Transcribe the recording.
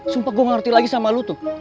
sumpah gue gak ngerti lagi sama lo tuh